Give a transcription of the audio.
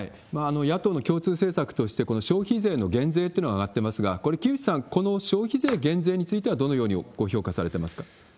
野党の共通政策として、この消費税の減税っていうのが挙がってますが、これ、木内さん、この消費税減税についてはどのようにご評価されてますか？